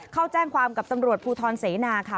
เขาแจ้งความกับตำรวจภูทรเสนาค่ะ